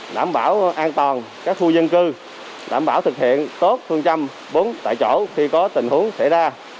đảm bảo an toàn các khu dân cư đảm bảo thực hiện tốt phương châm bốn tại chỗ khi có tình huống xảy ra